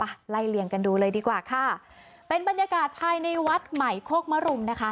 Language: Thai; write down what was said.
ไล่เลี่ยงกันดูเลยดีกว่าค่ะเป็นบรรยากาศภายในวัดใหม่โคกมรุมนะคะ